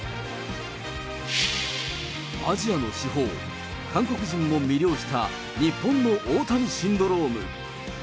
アジアの至宝、韓国人も魅了した日本の大谷シンドローム。